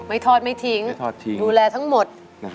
ทอดไม่ทิ้งดูแลทั้งหมด